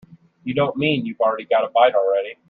You don't mean you've got a bite already?